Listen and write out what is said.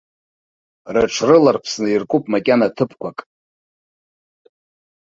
Рыҽрыларԥсны иркуп макьана ҭыԥқәак.